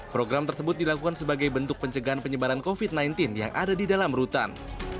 program tersebut dilakukan sebagai bentuk pencegahan penyebaran covid sembilan belas yang ada di dalam rutan